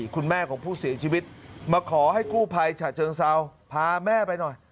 คุณแม่ของผู้เสียชีวิตมาขอให้กู้ภัยฉะเชิงเซาพาแม่ไปหน่อย